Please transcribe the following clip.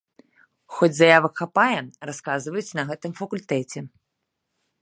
Хоць заявак хапае, расказваюць на гэтым факультэце.